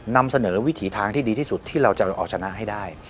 นำเสนอวิถีทางที่ดีที่สุดที่เราจะเอาชนะให้ได้